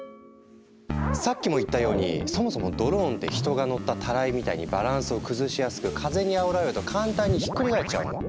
さっきも言ったようにそもそもドローンって人が乗ったタライみたいにバランスを崩しやすく風にあおられると簡単にひっくり返っちゃうの。